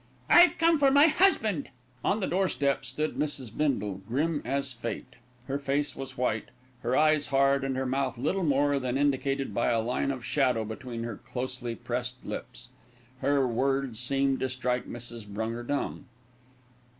"I've come for my husband!" On the doorstep stood Mrs. Bindle, grim as Fate. Her face was white, her eyes hard, and her mouth little more than indicated by a line of shadow between her closely pressed lips. The words seemed to strike Mrs. Brunger dumb.